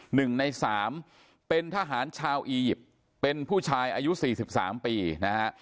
หนึ่งในสามเป็นทหารชาวอียิปต์เป็นผู้ชายอายุสี่สิบสามปีนะฮะ